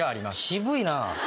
渋いな！